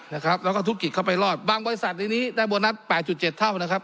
แล้วก็ธุรกิจเข้าไปรอดบางบริษัทในนี้ได้โบนัส๘๗เท่า